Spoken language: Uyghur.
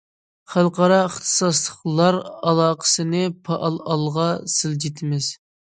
خەلقئارا ئىختىساسلىقلار ئالاقىسىنى پائال ئالغا سىلجىتىمىز.